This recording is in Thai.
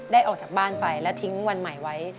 ออกจากบ้านไปแล้วทิ้งวันใหม่ไว้